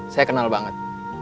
saya kenal banget